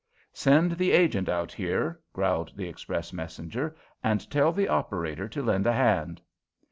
"Send the agent out here," growled the express messenger, "and tell the operator to lend a hand."